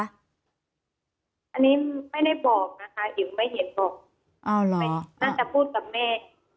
อันนี้ไม่ได้บอกนะคะอีกคือไม่ได้ยินบอกเอ้าเหรอน่าจะพูดกับแม่อ๋อ